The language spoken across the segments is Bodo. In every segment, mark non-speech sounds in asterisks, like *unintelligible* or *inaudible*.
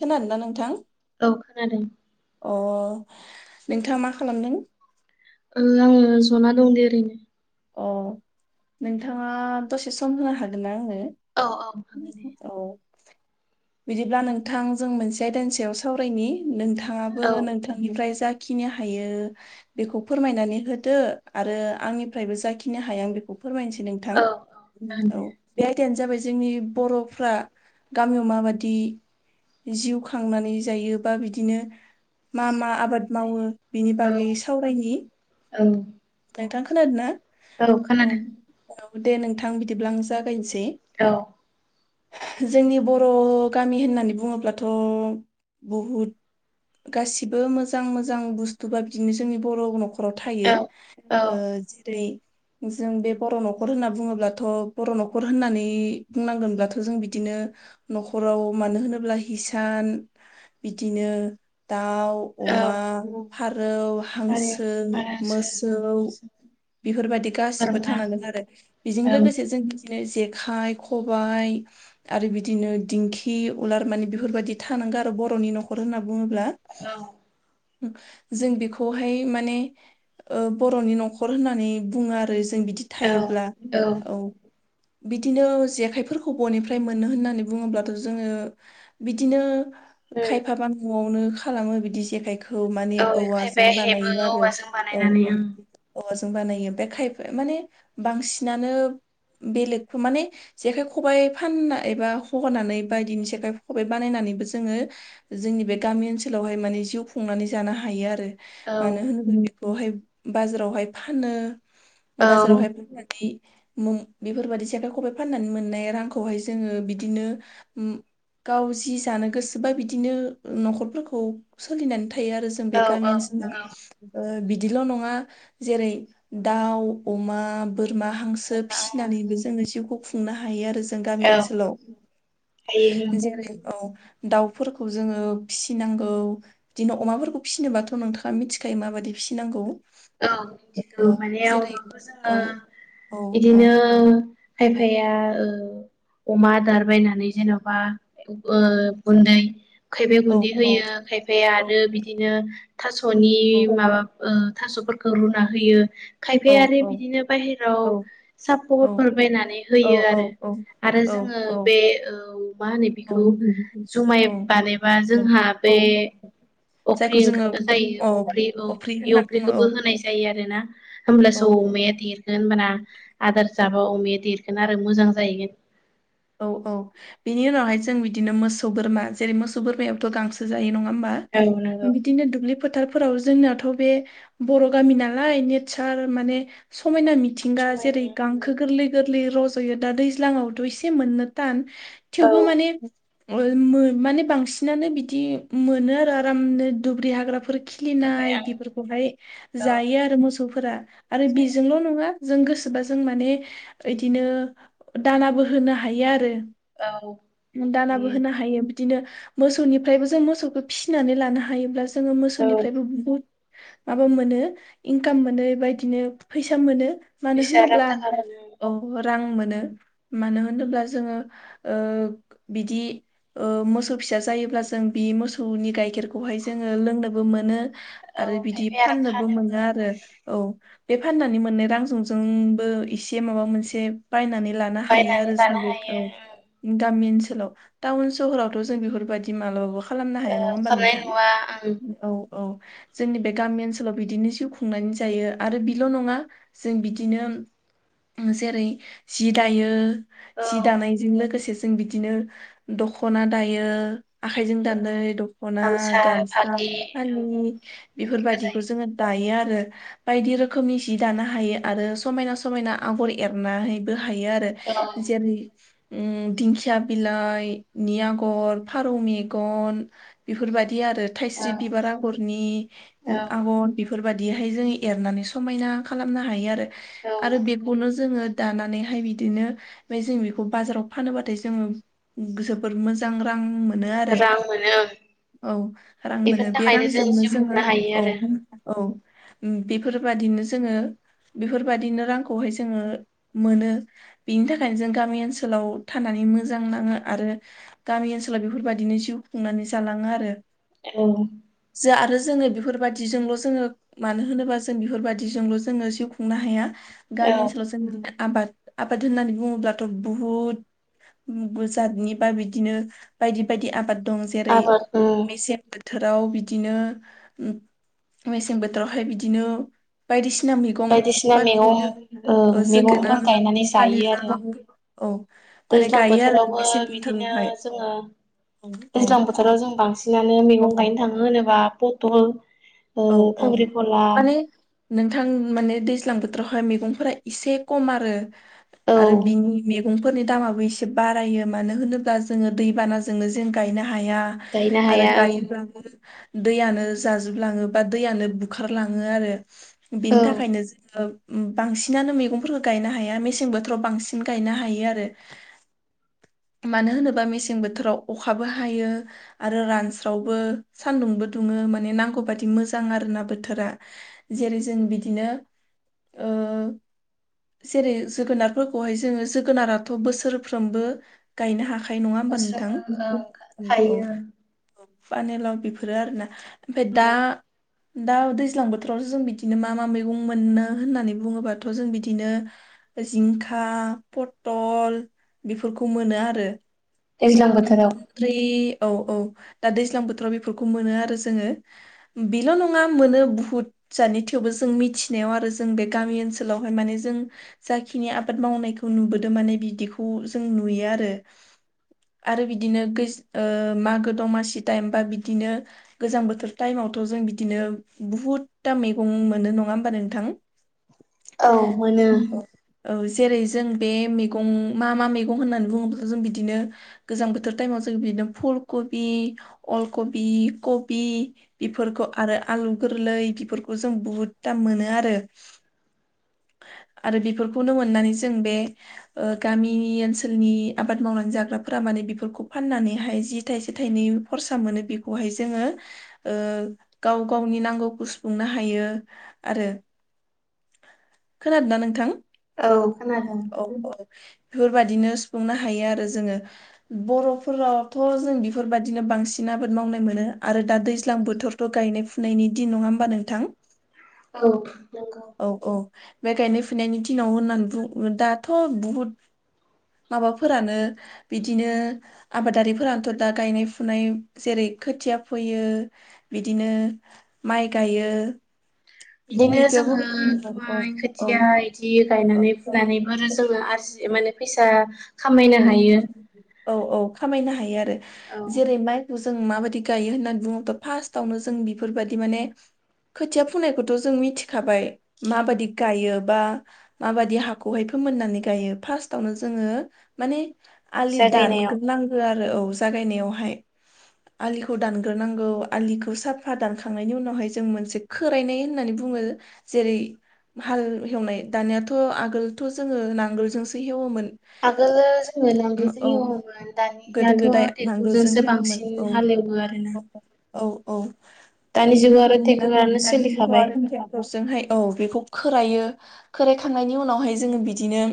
खोनादों ना नोंथां? औ खोनादों ओ नोंथाङा मा खालामदों ओ आङो जना दं दे ओरैनो ओ नोंथाङा दसे सम होनो हागोन ना। औ औ हागोन दे *unintelligible* औ बिदिब्ला नोंथां जों मोनसे आयदानि सायाव सावरायनि नोंथाङाबो औ नोंथांनिफ्राय जा खिनि हायो बेखौ फोरमायनानै होदो आरो आंनि फ्रायबो जाखिनो हाया आं बेखौ फोरमायनोसै नोंथां औ उम जागोन औ दे बे आयदा जाबाय जोंनि बर'फ्रा गामियाव माबादि जिउ खांनानै जायो बा बिदिनो मा मा आबाद मावो बेनि बागै सावरायनि ओं नोंथां खोनादोना औ खोनादों औ दे नोंथां बिदिब्ला आं जागायनोसै औ जोंनि बर' गामि होननानै बुङोब्लाथ' बहुद गासिबो मोजां मोजां बुस्थुबा बिदिनो जोंनि बर' न'ख र' थायो औ औ ओ जेरै जों बे बर' न'खर होनना बुङोब्लाथ' बर' न'खर होननानै बुंनांगोनब्लाथ' जों बिदिनो न'खराव मानो होनोब्ला हिसान बिदिनो दाउ औ अमा फारौ हारि हांसो बारासो मोस सौ बेफोरबायादि गासिबो बोरमा थानांगोन औ आरो बेजों लोगोसे जों बिदिनो जेखाय खबाइ आरो बिदिनो दिंखि उलार माने बेफोरबायदि था नांगो आरो बर'नि न'खर होनना बुङोब्ला औ जों बेखौहाय माने ओ बर'नि न'खर होननानै बुङो आरो जों बिदि थायोब्ला औ उम बिदिनो जेखाइफोरखौ बनिफ्राय मोनो होननानै बुङोब्लाथ' जोङो बिदिनो खायफाबा न'आवनो खालामो बिदि जेखाय खौ माने औवाजों बानायो आरो। औ मानिया औ औवाजों बानायो बे खायफा माने बांसिनानो बेलेगखौ माने जेखाइ खबाइ फानना एबा हनानै बायदिनि जेखाइ खबाय बानायना नैबो जोङो जोंनि बे गामि ओनसोलावहाय माने जिउ खुंनानै जानो हायो आरो ओं मानो होनो बेखौहाय बाजारावहाय फानो औ बाजारावहाय बेफोरबादि मोम बेफोरबायदि सेेखाइ खबबाय फाननानै मोननाय रांखौहाय जोङो बिदिनो उम गाव जि जानो गोसोबा बिदिनो न'खरफोरखौ सोलिनानै थायो आरो जों बे औ औ गामि ओनसो नंगौ बो बिदिल' नङा जेरै दाउ अमा बोरमा हांसो बोरमा औ फिसिनानैबो जोङो जिउखौ खुंनो हायो आरो जों गामि ओनसोलाव हायो ओं जेरै औ दाउफोरखौ जोङो फिसिनांगौ बिदिनो अमाफोरखौ फिसिनोबाथ' नोंथाङा मिथिखायो माबादि फिसिनांगौ औ मिथिगौ माने जेरै अमाखौ औ जोङो औ औ बिदिनो खायफाया ओ अमा आदार बायनानै जेन'बा ओ औ गुन्दै खायफाया औ गुन्दै होयो खायफाया औ आरो बिदिनो थास' थास'नि माबा ओ थास'फोरखौ रुना होयो औ खायफायारि बिदिनो बायेराव औ औ सापरफोर बायनानै होयो औ आरो आरो जोङो औ बे औ मा होनो बिखौ जुमाय औ बानायबा जोंहा बे औ बे जायखौ अफ्रि जोङो ओंख्रि औ जायो अफ्रि औ अफ्रि बि होनना बुङो बेखोबो होनाय औ जायो आरो ना होमब्लासो औ अमाया देरगोन होनबाना आदार जाबा अमाया देरगोन आरो मोजां जाहैगोन औ औ बेनि उनावहाय जों बिदिनो मोसौ बोरमा जेरै मोसौ बोरमायावथ' गांसो जायो नङा होम बा औ नंगौ बिदिनो दुब्लि फोथारफोराव जोंनाथ' बे बर' गामि नालाय नेचार माने समायना मि मिथिंगा जेरै समायना गांखो गोरलै गोरलै रज'यो दा दैज्लाङावथ' एसे मोननो टान औ थेवबो माने मोन-मोन माने बांसिनानो बिदि मोनो आरो आरामनो दुब्रि हाग्राफोराव ओमफ्राय खिलिनाय आं बेफोरखौहाय औ जायो आरो मोसौफोरा आरो जायो बेजोंल' नङा जों गोसोबा जों माने इदिनो दानाबो होनो हायो आरो औ दानाबो होनो हायो बिदिनो मोसौनिफ्रायबो जों मोसौखौ फिसिनानै लानो हायोब्ला जोङो औ मोसौनिफ्रायबो बुहुद माबा मोनो इनकाम मोनो बेबायदिनो फैसा मोनो मानो फैसा रां होनोब्ला थाखा मोनो औ रां मोनो मानो होनोब्ला जोङो ओ बिदि ओ मोसौ फिसा जायोब्ला जों बि मोसौनि गाइखेरखौहाय जोङो लोंनोबो मोनो औ आरो बिदि खायफाया आरो फाननोबो मोनो फानोबो आरो औ बे फाननानै मोनाय रांजोंजोंबो एसे माबा मोनसे बायनानै लानो हायो बायनानै आरो लानो जों बे औ हायो गामि ओनसोलाव टाउन सहरावथ' जों बेफोरबायदि मालाबाबो खालामनो ओ हाया नङा होमबा खामनाय नोंथां नङा ओं औ औ जोंनि बे गामि ओनसोलाव बिदिनो जिउ खुंनानै जायो आरो बिल' नङा जों बिदिनो उम जेरै जि दायो यो जि औ दानायजों लोगोसे जों बिदिनो दखना दायो आखाइजों दानै औ दख'ना गामसा गामसा फालि औ फालि बेफोरखौ बेफोरबायदिखौ दायो जोङो दायो आरो आरो बायदि रोखोमनि जि दानो हायो आरो समायना समायना आगर एरनानैबो हायो आरो औ जेनि उम दिंखिया बिलाइ नि आगर फारौ मेगन बेफोरबायदि बिदि आरो थायस्रि औ बिबार आगरनि आगर बेफोर बादिहाय जोङो एरनानै समायना खालामनो हायो आरो औ आरो औ बेखौनो जोङो दानानैहाय बिदिनो ओफाय जों बेखौ बाजाराव फानोबाथाय जोङो जबोर मोजां रां मोनो आरो रां मोनो ओं औ रां मोनो बे रांजोंनो जिउ जोङो खुंनो हायो औ औ उम बेफोरबादिनो जोङो बेफोरबायादिनो रांखौहाय जोङो मोनो। बेनि थाखायनो जों गामि ओनसोलाव थानानै मोजां नाङो आरो गामि ओनसोलाव बेफोरबदिनो जिउ खुंनानै जालांङो आरो। औ जा आरो जोङो बेफोरबाददिजोंल' जोङो मानो होनोबा जों बेफोरबायादिजोंल' जोङो जिउ खुंनो हाया। औ गामि ओनसोलाव जों आबाद आबाद होननानै बुङोब्लाथ' बुहुद *unintelligible* जादनि बा बिदिनो बायदि बायदि आबाद दं जेरै आबाद उम मेसें बोथ थोराव बिदिनो मेसें बोथोरावहाय बिदिनो बायदिसि सिना मैगं बायदिसिना बा मैगं ओ बिदिनो मैगंफोर जोगोनार गायनानै फानि जायो लाव आरो औ माने दैज्लां गायो आरो बोथोरावबो मेसें बिदिनो बोथोरावहाय। जोङो औ औ दैज्लां बोथोराव जों बांसिनानो मैगं औ गायनो थाङो होनोबा पथल ओ औ औ खांख्रिखला माने नोंथां माने दैज्लां बोथोरावहाय मैगंफोरा एसे खम आरो औ आरो बिनि मैगंफोरनि दामाबो एसे बारायो मानो होनोब्ला जोङो दैबानाजोंनो जों गायनो हा हाया गायनो आरो हाया ओं गायोब्लाबो दैयानो जाजोबलांङो। बा दैयानो बुखारलाङो आरो बिनि ओं थाखायनो जोङो बांसिनानो मैगंफोरखौ गायनो हाया मेसें बोथोराव बांसिन गायनो हायो आरो। *inaudible* मानो होनोबा मेसें बोथोराव अखाबो हायो आरो रानस्रावबो सान्दुंबो दुङो। माने नांगौ बादि मोजां आरोना बोथोरा जेरै जों बिदिनो ओ जेरै जोगोनारफोरखौहाय जोङो जोगोनाराथ' बोसोरफ्रोमबो गायनो हाख खायो नङा होमबा नोंथां बोस्रोमो ओं औ औ थायो फानिलाव बेफोरो आरोना ओमफाय दा औ दा दैज्लां बोथोरावसो जों बिदिनो मा मा मैगं मोनो होननानै बुङोबाथ' जों बिदिनो जिंखा पथल बेफोरखौ मोनो आरो। दैज्लां उम बोथोराव *unintelligible* औ औ दा दैज्लां बोथोराव बेफोरखौ मोनो आरो जोङो बेल' नङा मोनो बुहुद जाथनि थेवबो जों मिथिनायाव आरो जों बे गामि ओनसोलावहाय माने जों जाखिनि आबाद मावनाय खौ नुबोदों माने बिदिखौ जों नुयो आरो। *inaudible* आरो बिदिनो गेज ओ मागो दमासि टाइम बा बिदिनो गोजां बोथोर टाइमावथ' जों बिदिनो बुहुदथा मैगं मोनो नङा होमबा नोंथां? औ मोनो। औ जेरै जों बे मैगं मा मा मैगं होननानै बुङोब्ला जों बिदिनो गोजां बोथोर टाइमाव जों बिदिनो फुलकबि अलकबि कबि बेफोरखौ आरो आलु गोरलै बेफोरखौ जों बुहुद दाम मोनो आरो। *inaudible* आरो बेफोरखौनो मोननानै जों बे गामिनि ओनसोलनि आबाद मावनानै जाग्रा फोरा माने बेफोरखौ फाननानैहाय जि थाइसे थाइनै खरसा मोनो बेखौहाय जोङो ओ गाव गावनि नांगौखौ सुफुंनो हायो आरो। *inaudible* खोनादोंना नोंथां? औ खोनादों। बेफोरबायदिनो सुफुंनो हायो आरो जोङो। बर'फोराथ' जों बेफोरबायदिनो बांसिन आबाद मावनाय मोनो आरो दा दैज्लां बोथोर थ' गायनाय फुनायनि दिन नङा होमबा नोंथां? औ नंगौ औ औ बे गायनाय फुनायनि दिनाव होननानै बुङ दाथ' बहुद माबाफोरानो। बिदिनो आबादारिफोरानोथ' दा गायनाय फुनाय जेरै खोथिया फोयो। बिदिनो माइ गायो। बिदिनो बबेखौ जोङो बबे औ माइ औ खोथिया बिदि गायनानै फुनानैबो *unintelligible* जोङो आरजि माने फैसा खामायनो औ औ हायो औ औ खामायनो हायो आरो औ जेरै माइ खौ जों माबादि गायो होननानै बुङोब्ला फार्स्टआवनो जों बेफोरबादि माने खोथिया फुनायखौथ' जों मिथिखाबाय माबादि गायो बा माबादि हाखौहाय फ फोमोननानै गायो फास्तआवनो जोङो माने आलि जागायनायाव दानग्रोनांगो आरो । औ जागायनायावहाय आलिखौ दानग्रोनांगौ आलिखौ साफा दानखांनायनि उनावहाय जों मोनसे खोरायनाय होननानै बु बुङो जेरै हाल हेवनाय दानियाथ' आगोलथ' जोङो नांगोलजोंसो हेवोमोन । आगोलो सोलायलांगौ जायो गोदो दानियाथ' गोदाय नांगोलजों ट्रेक्टरजोंसो हेवोमोन बांसिन औ हालेवो आरोना । औ औ बेफोरबायदिना ट्रेक्टरानो दानिन्दैखौ सोलिखाबाय आरोबाव जोंहाय औ बेखौ खोरायो खोराखांनायनि उनावहाय जोङो बिदिनो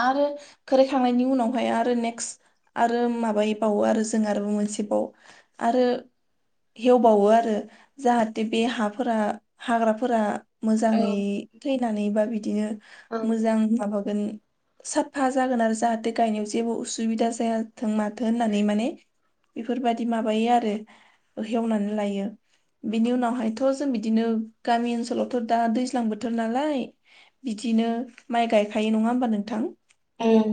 आरो खोराखांनायनि उनावहाय आरो नेक्स्ट आरो माबायबावो आरो जों आरो मोनसे बाव आरो हेवबावो आरो जाहाथे बे हाफोरा हाग्राफोरा औ मोजाङै थैनानै बा बिदिनो औ मोजां माबागोन । हा जागोन आरो जाहाथे गायनायाव जेबो उसुबिदा जायाथों माथों होननानै माने बेफोरबायदि माबायो आरो हेवनानै लायो बिनि उनावहायथ' जों बिदिनो गामि ओनसोलावथ' दा दैज्लां बोथोर नालाय बिदि बिदिनो माइ गायखायो नङा होमबा नोंथां ओम।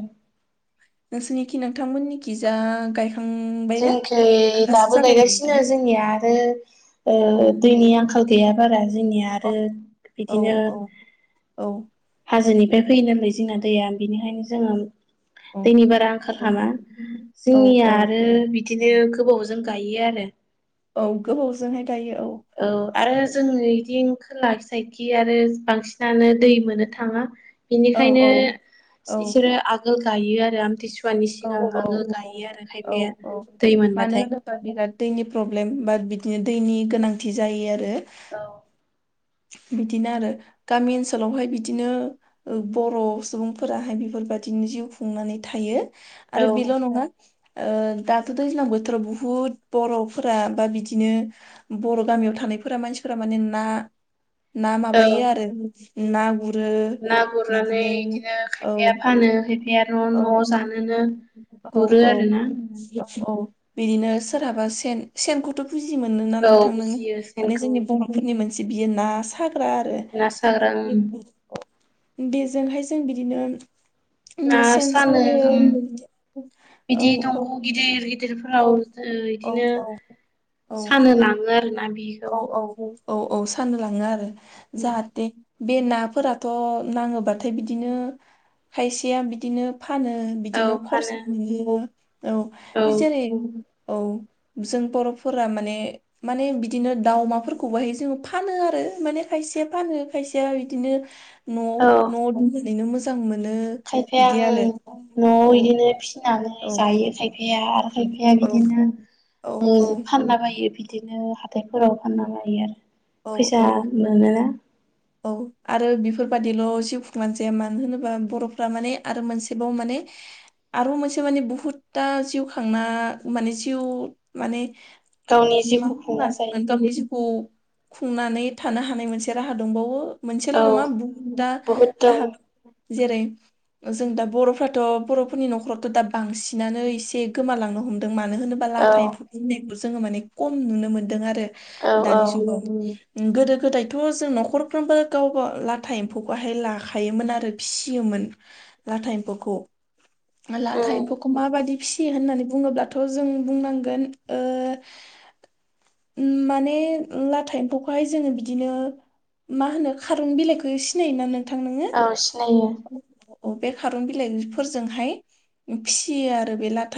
नोंसिनिखि नोंथांमोननिखि जा गायखां *inaudible* जोंखि दाबो नोंथां गायगासिनो जोंनिया आरो औ औ दैनि आंखाल गैयाबा फोर जोंनिया आरो औ बिदिनो औ औ मफ्राय फैयोनलै जोंना दैया बेनिखायनो जोङो औ दैनि बारा आंखाल औ खालामा औ जोंनिया औ आरो बिदिनो गोबाव जायो गायो आरो। औ गोबावजोंहाय गायो औ । औ आरो जों बिदि खोला फिसाइखि आरो बांसिनानो दै मोननो थाङा औ बेनिखायनो औ औ बिसोरो आगोल गायो आरो आमथिसु सुवानि औ सिगाङाव गायो आरो औ खायफाया औ दै मानो मोनबाथाय होनोबा बिराद दैनि प्रब्लेम बा बिदिनो दैनि गोनांथि जायो आरो औ बिदिनो आरो गामि ओनसोलावहाय बिदिनो बर' सुबुंफोराहाय बेफोर बेफोरबायदिनो जिउ खुंनानै थायो औ आरो बेल' नङा । दाथ' दैज्लां बोथोराव बुहुद बर'फोरा बा बिदिनो बर' गामियाव थां थानायफोरा मानसिफोरा माने ना ना औ माबायो आरो ना गुरो ना गुरनानै बिदिनो औ खायफाया फानो खायफाया औ न' न' जानोनो औ गुरो औ आरोना औ। बिदिनो सोरहाबा सेन सेनखौथ' बुजि मोनोना औ नोंथां नोडो बुजियो माने सेनखौ जोंनि बर'फोरनि मोनसे बियो ना साग्रा आरो ना साग्रा बेजोंहाय जों बिदिनो उम ना सेन सानो सायो औ बिदि औ दंग' गिदिर गि औ गिदिरफोराव औ बिदिनो औ औ सानो लााङो आरोना बिखौ औ । औ औ औ साननो लाङो आरो जाहाथे बे नाफोराथ' नाङोबाथाय बिदिनो खायसेया बिदिनो । फानो औ बिदिनो खरसा फानो मोनो औ औ बे जेरै । औ जों बर'फोरा माने माने बि बिदिनो दाउ अमाफोरखौ बाहाय जों फानो आरो मान खायसेया फानो खायसेया बिदिनो । न'आव औ न'आव दहैनो मोजां मोन मोन खायफाया बिदियानो ओं औ न'आव इदिनो फिनानै औ । औ जायो खायफाया आरो खायफाया उम बिदिनो । ओ फानला बायो बि बिदिनो हाथायफोराव फानना लायो आरो औ फैसा औ मोनो । औ आरो बेफोरबादिल' जिउ खुंनानै जाया मानो होनोबा बर'फ्रा माने आरो मोनसेबाव माने आरो मोनसे माने बुहुदतथा जिउ खांना माने जिउ माने गावनि म जिउखौ खुंना जायो म बेसखौ *unintelligible* खुंनानै थानो हानाय मोनसे राहा दंबावो मोनसेल' नङा औ बुहुदता बहुद दं राहा जेरै जों दा बर'फ्राथ' बर'फोरनि न'खरावथ' दा बांसिनानो एसे गोमालांनो हमदों मान मानो होनोब्ला औ लाथा एम्फौ फनायखौ जोङो माने खम नुनो मोन्दों आरो औ औ दानि जुगाव । गोदो गोदायथ' जों न'खरफ्रोमबो गावबा लाथा एम्फौखौहाय लाखायोमोन आरो फिसि फियोमोन लाथाया एम्फौखौ *inaudible* लाथाया उम एम्फौखौ माबायदि । फिसि होननानै बुङोब्लाथ' जों बुंनांगोन ओ माने ला था एम्फौखौहाय जोङो बिदिनो मा होनो खारुन बिलाइखौ सिनायो ना नों औ सिनायो । अ बे खारुन बिलाइफोरजोंहाय फियो आरो बे लाथा ।